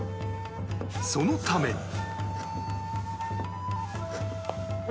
そのために